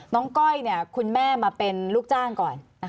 ก้อยคุณแม่มาเป็นลูกจ้างก่อน